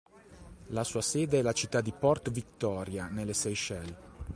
La sua sede è la città di Port Victoria, nelle Seychelles.